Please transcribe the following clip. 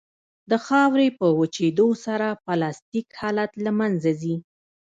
د خاورې په وچېدو سره پلاستیک حالت له منځه ځي